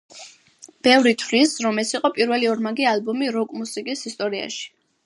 ბევრი თვლის, რომ ეს იყო პირველი ორმაგი ალბომი როკ-მუსიკის ისტორიაში.